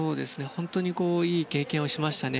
本当にいい経験をしましたね。